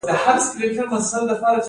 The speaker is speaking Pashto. په خیر ولاړ سئ.